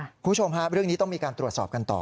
คุณผู้ชมฮะเรื่องนี้ต้องมีการตรวจสอบกันต่อ